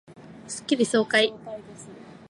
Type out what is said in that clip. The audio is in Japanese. スッキリ爽快